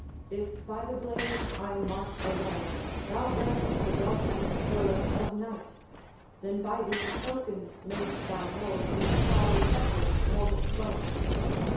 If by the blaze I mark aright Thou bear'st the belt and spur of Knight.' 'Then by these tokens mayst thou know Each proud oppressor's mortal foe.'